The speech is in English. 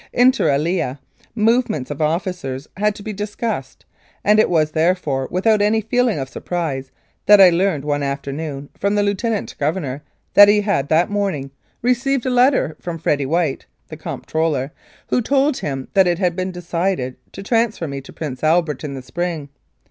Inter alia, movements of officers had to be discussed, and it was, therefore, without any feeling of surprise that I learned one afternoon from the Lieutenant Governor that he had that morning "re ceived a letter from Fred White," the Comptroller, who told him that it had been decided to transfer me to Prince Albert in the spring.